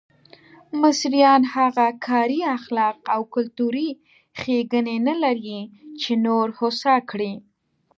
مصریان هغه کاري اخلاق او کلتوري ښېګڼې نه لري چې نور هوسا کړي.